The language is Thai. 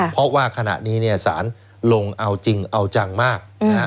เพราะว่าขณะนี้สารลงเอาจริงเอาจังมาก